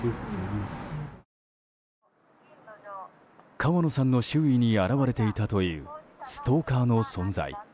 川野さんの周囲に現れていたというストーカーの存在。